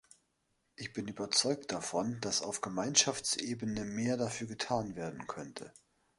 Ich bin überzeugt davon, dass auf Gemeinschaftsebene mehr dafür getan werden könnte.